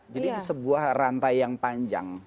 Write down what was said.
jadi sebuah rantai yang panjang